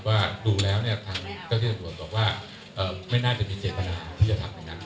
ว่าดูแล้วท่านเจ้าที่สำรวจบอกว่าไม่น่าจะมีเกษตรภัณฑ์ที่จะทำอย่างนั้น